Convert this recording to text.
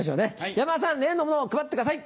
山田さん例のものを配ってください。